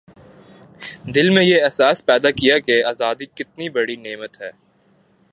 دل میں یہ احساس پیدا کیا کہ آزادی کتنی بڑی نعمت ہے